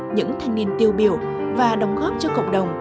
những thanh niên tiêu biểu và đóng góp cho cộng đồng